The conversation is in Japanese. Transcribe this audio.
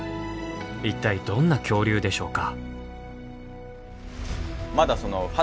一体どんな恐竜でしょうか？